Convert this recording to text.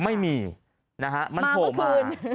ไม่มีนะคะมันโทรมา